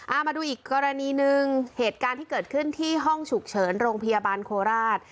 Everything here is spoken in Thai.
เอามาดูอีกกรณีหนึ่งเหตุการณ์ที่เกิดขึ้นที่ห้องฉุกเฉินโรงพยาบาลโคราช